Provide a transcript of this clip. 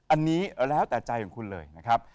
อันนี้แล้วแต่ใจของคุณเลยนะครับ